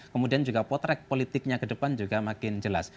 kemudian juga potret politiknya ke depan juga makin jelas